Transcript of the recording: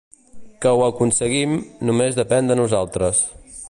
Que ho aconseguim, només depèn de nosaltres.